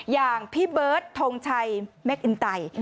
อย่างพี่เบิร์ตทงชัยเมคอินไต